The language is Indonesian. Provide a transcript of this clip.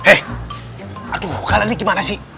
hei aduh kalani gimana sih